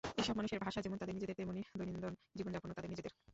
এসব মানুষের ভাষা যেমন তাদের নিজেদের, তেমনই দৈনিন্দন জীবনযাপনও তাদের নিজেদের।